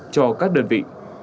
cho các đơn vị